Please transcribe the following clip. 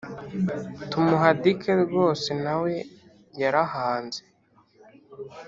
tumuhadike rwose nawe yarahaanze!